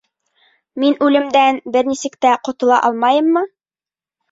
— Мин үлемдән бер нисек тә ҡотола алмайыммы?